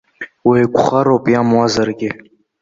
Уеиқәхароуп, иамуазаргьы.